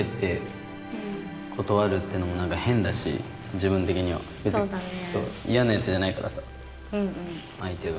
・自分的には別に・・嫌なヤツじゃないからさ相手が・・